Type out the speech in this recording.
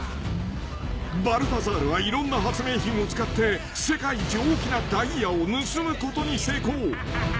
［バルタザールはいろんな発明品を使って世界一大きなダイヤを盗むことに成功］